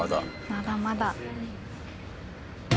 まだまだ。